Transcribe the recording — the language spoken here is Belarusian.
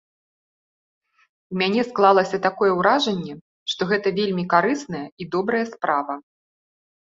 У мяне склалася такое ўражанне, што гэта вельмі карысная і добрая справа.